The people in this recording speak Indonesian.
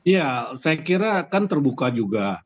ya saya kira akan terbuka juga